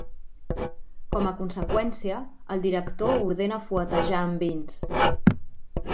Com a conseqüència, el director ordena fuetejar en Vince.